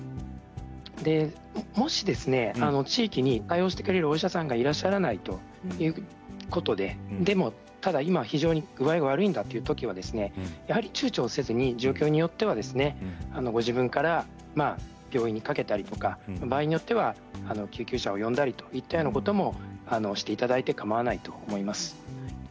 もし地域に対応してくれるお医者さんがいらっしゃらないということででもただ、具合が悪いというときはやはりちゅうちょせずに状況によってはご自分から病院にかけたり、場合によっては救急車を呼んだりといったようなことをしていただいてかまわないと思います。